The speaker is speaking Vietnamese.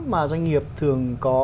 mà doanh nghiệp thường có